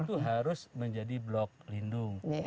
itu harus menjadi blok lindung